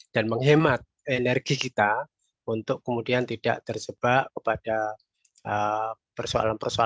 dan menghemat energi kita untuk kemudian tidak terjebak kepada persoalan persoalan